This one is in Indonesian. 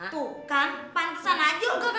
tuh kan paham kesana aja olga